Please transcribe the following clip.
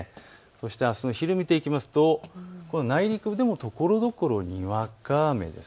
あすの昼、見ていきますと内陸部でもところどころにわか雨です。